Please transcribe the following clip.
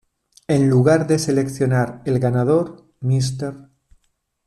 En lugar de seleccionar el ganador, Mr.